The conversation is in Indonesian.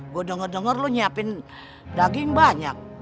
gue denger denger lu nyiapin daging banyak